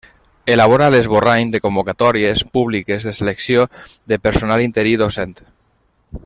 Elabora l'esborrany de convocatòries públiques de selecció de personal interí docent.